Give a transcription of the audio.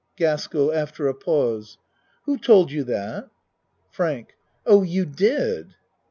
GASKELL (After a pause.) Who told you that? FRANK Oh, you did.